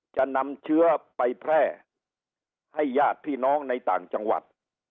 จะนำเชื้อไปแพร่ให้ญาติพี่น้องในต่างจังหวัด